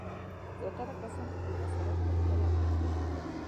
زیاتره کسان خپل مصارف خپله پرې کوي.